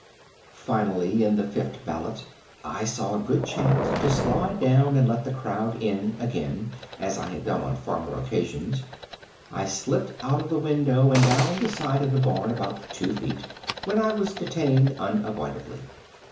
Finally, in the fifth ballot, I saw a good chance to slide down and let the crowd in again as I had done on former occasions. I slipped out of the window and down the side of the barn about two feet, when I was detained unavoidably.